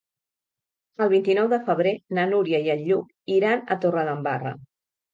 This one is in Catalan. El vint-i-nou de febrer na Núria i en Lluc iran a Torredembarra.